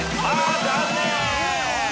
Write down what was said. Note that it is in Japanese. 残念！